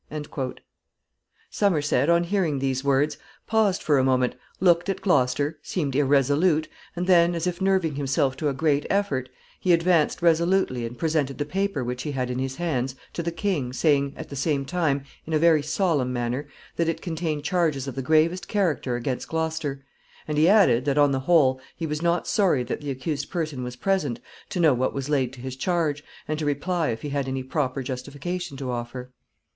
[Sidenote: Somerset's charges.] Somerset, on hearing these words, paused for a moment, looked at Gloucester, seemed irresolute, and then, as if nerving himself to a great effort, he advanced resolutely and presented the paper which he had in his hands to the king, saying, at the same time, in a very solemn manner, that it contained charges of the gravest character against Gloucester; and he added that, on the whole, he was not sorry that the accused person was present to know what was laid to his charge, and to reply if he had any proper justification to offer. [Sidenote: Margaret interposes.